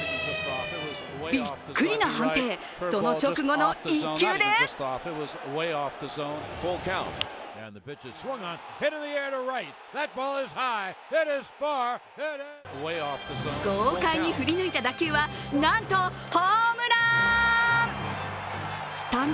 びっくりな判定、その直後の一球で豪快に振り抜いた打球は、なんとホームラン！